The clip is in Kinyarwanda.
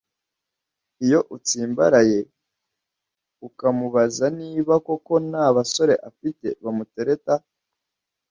Iyo utsimbaraye ukamubaza niba koko nta basore afite bamutereta